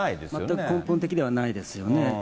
全く根本的ではないですよね。